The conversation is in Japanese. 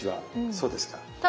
そうです。